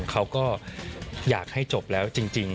เขาก็อยากให้จบแล้วจริง